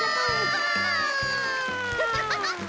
ハハハハ！